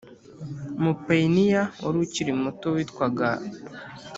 Umupayiniya wari ukiri muto witwaga